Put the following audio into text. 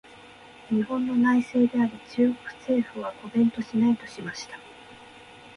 「日本の内政であり、中国政府はコメントしない」としました。